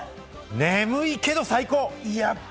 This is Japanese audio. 眠いけど、最高！